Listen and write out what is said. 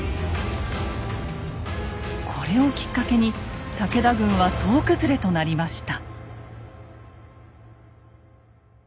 これをきっかけに武田軍は総崩れとなりました。